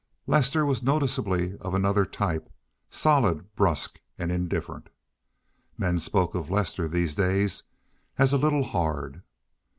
Lester was noticeably of another type—solid, brusque, and indifferent. Men spoke of Lester these days as a little hard.